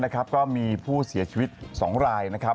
ก็มีผู้เสียชีวิต๒รายนะครับ